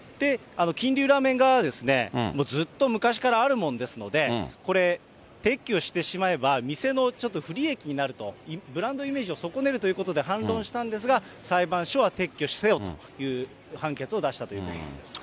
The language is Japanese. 金龍ラーメン側は、ずっと昔からあるもんですので、これ、撤去してしまえば、店のちょっと不利益になると、ブランドイメージを損ねるということで反論したんですが、裁判所は撤去せよという判決を出したということなんです。